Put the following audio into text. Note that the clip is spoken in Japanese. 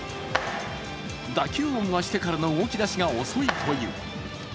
打球音がしてからの動き出しが遅いという。